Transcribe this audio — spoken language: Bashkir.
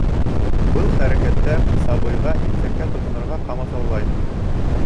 Был хәрәкәттәр сабыйға имсәккә тотонорға ҡамасаулай.